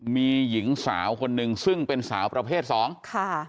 มีหญิงสาวคนหนึ่งซึ่งเป็นสาวประเภทสองค่ะ